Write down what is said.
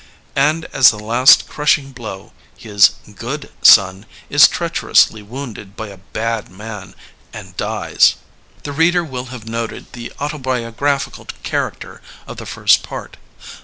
And as the last crushing blow his good'' son is treacherously wounded by a bad'' man, and dies. The reader will have noted the autobiographical character of the first part.